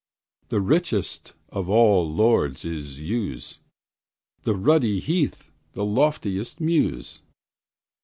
The richest of all lords is Use, And ruddy Health the loftiest Muse.